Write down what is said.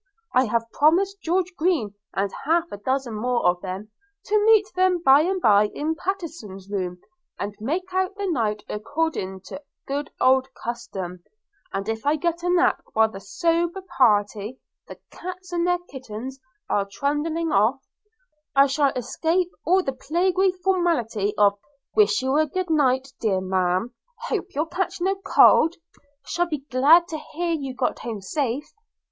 I've promised George Green and half a dozen more of them, to meet them by and by in Pattenson's room, and make out the night according to good old custom; and if I get a nap while the sober party, the cats and their kittens, are trundling off, I shall escape all the plaguy formality of 'Wish you good night, dear ma'am! – hope you'll catch no cold! – shall be glad to hear you got home safe!